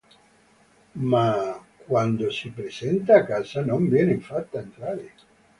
Ma, quando si presenta a casa, non viene fatta entrare.